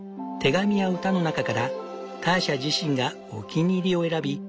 手紙や歌の中からターシャ自身がお気に入りを選び